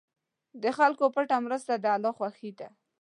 د خلکو پټه مرسته د الله خوښي ده.